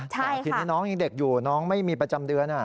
แต่ทีนี้น้องยังเด็กอยู่น้องไม่มีประจำเดือน